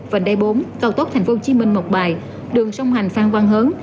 vành đai bốn cầu tốt tp hcm mộc bài đường sông hành phan văn hớn